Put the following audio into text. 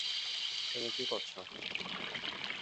তুমি কী করছো?